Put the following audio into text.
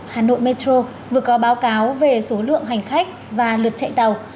hà nội metro vừa có báo cáo về số lượng hành khách và lượt chạy tàu